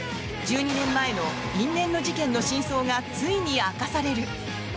１２年前の因縁の事件の真相がついに明かされる。